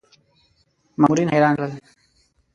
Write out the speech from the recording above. مامورین حیران کړل.